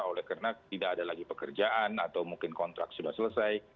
oleh karena tidak ada lagi pekerjaan atau mungkin kontrak sudah selesai